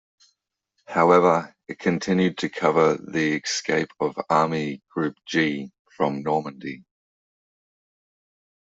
However, it continued to cover the escape of Army Group G from Normandy.